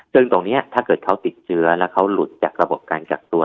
ซึ่งตรงนี้ถ้าเกิดเขาติดเชื้อแล้วเขาหลุดจากระบบการกักตัว